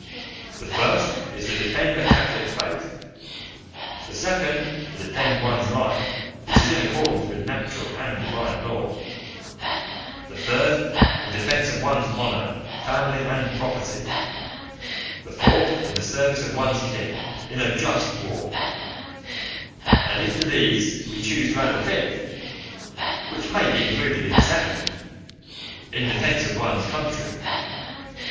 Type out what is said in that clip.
The first is to defend the Catholic faith; the second, to defend one's life, which is in accordance with natural and divine law; the third, in defence of one's honour, family, and property; the fourth, in the service of one's king in a just war; and if to these we choose to add a fifth (which may be included in the second), in defence of one's country.